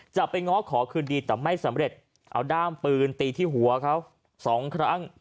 จะไปง้อขอคืนดีแต่ไม่สำเร็จเอาด้ามปืนตีที่หัวเขาสองครั้ง